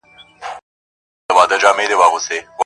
وايي منصور یم خو له دار سره مي نه لګیږي-